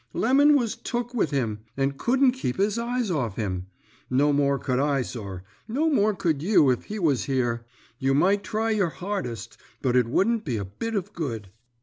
Lemon was took with him, and couldn't keep his eyes off him. No more could I, sir. No more could you if he was here. You might try your hardest, but it wouldn't be a bit of good.